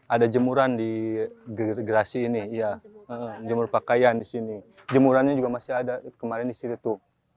ada jemuran di gerasi ini jemur pakaian di sini jemurannya juga masih ada kemarin di situ